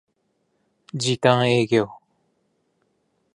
時短営業